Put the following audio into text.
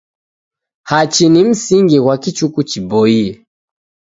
Hachi ni msingi ghwa kichuku chiboie.